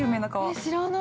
◆知らない。